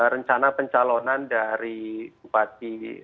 rencana pencalonan dari bupati